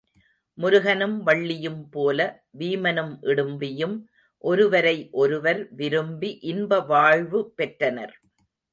முருகனும் வள்ளியும்போல வீமனும் இடிம்பியும் ஒருவரை ஒருவர் விரும்பி இன்ப வாழ்வு பெற்றனர்.